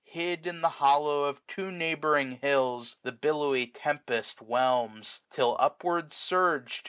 Hid in the hollow of two neighbouring hills. The billowy tempest whelms ; till, upward urg'd.